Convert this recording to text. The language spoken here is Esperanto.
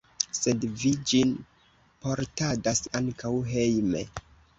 Sed vi ĝin portadas ankaŭ hejme.